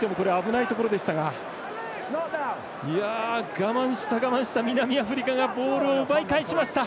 我慢した我慢した南アフリカがボールを奪い返しました。